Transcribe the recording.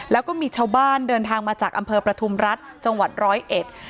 แล้วก็มีชาวบ้านเดินทางมาจากอำเภอประทุมรัฐจังหวัดร้อยเอ็ด